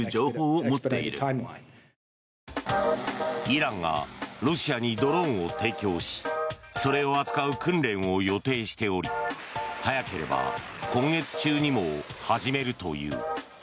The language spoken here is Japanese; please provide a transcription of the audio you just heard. イランがロシアにドローンを提供しそれを扱う訓練を予定しており早ければ今月中にも始めるという。